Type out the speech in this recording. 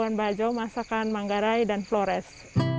labuan bajo masakan manggarai dan flores